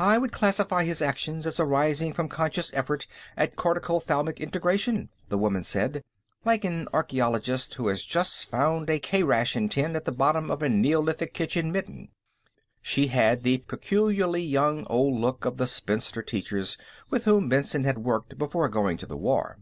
"I would classify his actions as arising from conscious effort at cortico thalamic integration," the woman said, like an archaeologist who has just found a K ration tin at the bottom of a neolithic kitchen midden. She had the peculiarly young old look of the spinster teachers with whom Benson had worked before going to the war.